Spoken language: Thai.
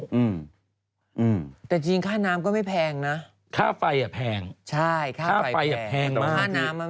เช่าแต่จริงค่าน้ำก็ไม่แพงนะค่าไฟแพงใช่ค่าไฟแพงค่าน้ำก็ไม่แพง